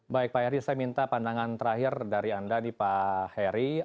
baik pak heri saya minta pandangan terakhir dari anda nih pak heri